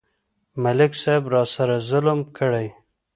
ملک صاحب راسره ظلم کړی.